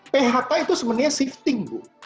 phk itu sebenarnya shifting